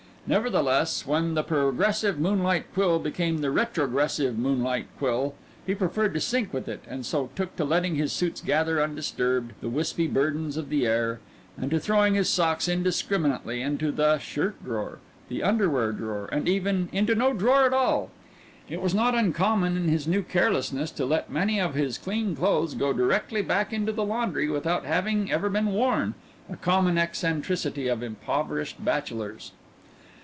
Nevertheless when the progressive Moonlight Quill became the retrogressive Moonlight Quill he preferred to sink with it, and so took to letting his suits gather undisturbed the wispy burdens of the air and to throwing his socks indiscriminately into the shirt drawer, the underwear drawer, and even into no drawer at all. It was not uncommon in his new carelessness to let many of his clean clothes go directly back to the laundry without having ever been worn, a common eccentricity of impoverished bachelors.